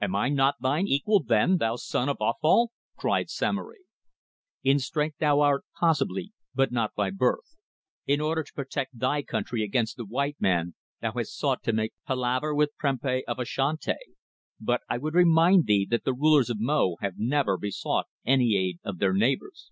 "Am I not thine equal, then, thou son of offal?" cried Samory. "In strength thou art, possibly, but not by birth. In order to protect thy country against the white men thou hast sought to make palaver with Prempeh of Ashanti, but I would remind thee that the rulers of Mo have never besought any aid of their neighbours."